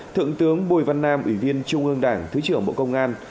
thượng tướng bùi văn nam ủy viên trung ương đảng thứ trưởng bộ công an